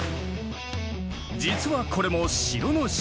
実はこれも城の仕掛け。